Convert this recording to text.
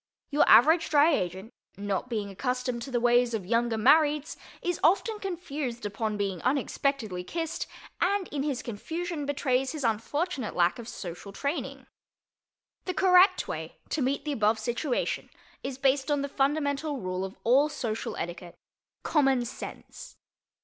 Your average Dry Agent, not being accustomed to the ways of Younger Marrieds, is often confused upon being unexpectedly kissed, and in his confusion betrays his unfortunate lack of social training. The correct way to meet the above situation is based on the fundamental rule of all social etiquette—common sense.